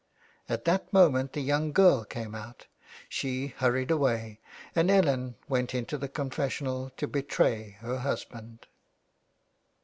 At that moment the young girl came out. She hurried away, and Ellen went into the confessional to betray her husband.